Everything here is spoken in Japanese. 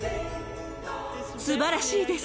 すばらしいです。